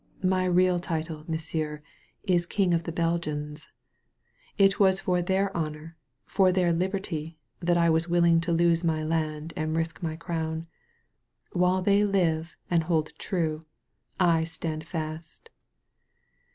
My real title, monsieur, is King of the Belgians* It was for their honor, for their liberty, that I was willing to lose my land and risk my crown. While they live and hold true, I stand fast.''